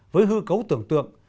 với hư cấu tưởng tượng